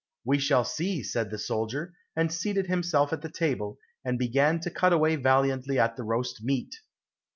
"We shall see," said the soldier, and seated himself at the table, and began to cut away valiantly at the roast meat.